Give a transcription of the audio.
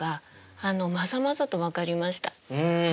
うん！